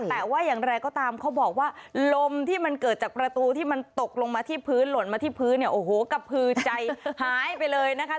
แต่ว่าอย่างไรก็ตามเขาบอกว่าลมที่มันเกิดจากประตูที่มันตกลงมาที่พื้นหล่นมาที่พื้นเนี่ยโอ้โหกระพือใจหายไปเลยนะคะ